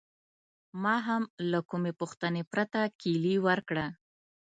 ما هم له کومې پوښتنې پرته کیلي ورکړه.